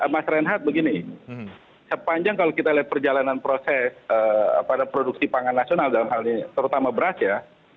mas renhat begini sepanjang kalau kita lihat perjalanan proses pada produksi pangan nasional dalam hal ini terutama beras ya